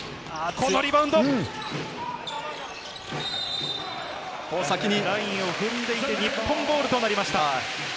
このリバウンド、先にラインを踏んでいて、日本ボールとなりました。